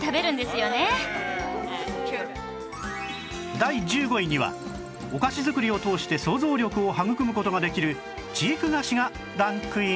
第１５位にはお菓子作りを通して想像力を育む事ができる知育菓子がランクイン